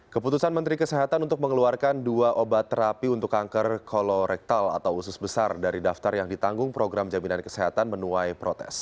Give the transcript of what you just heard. keputusan menteri kesehatan untuk mengeluarkan dua obat terapi untuk kanker kolorektal atau usus besar dari daftar yang ditanggung program jaminan kesehatan menuai protes